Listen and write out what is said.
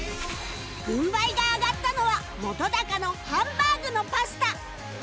軍配が上がったのは本のハンバーグのパスタ